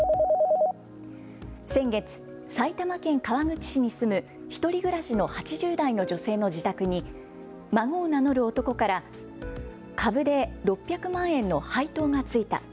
先月、埼玉県川口市に住む１人暮らしの８０代の女性の自宅に孫を名乗る男から株で６００万円の配当がついた。